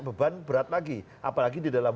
beban berat lagi apalagi di dalam